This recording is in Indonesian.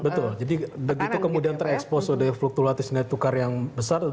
betul jadi begitu kemudian terekspos oleh fluktuatis nilai tukar yang besar